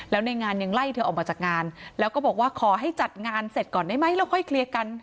แล้วในงานยังไล่เธอออกมาจากงานแล้วก็บอกว่าขอให้จัดงานเสร็จก่อนได้ไหมแล้วค่อยเคลียร์กัน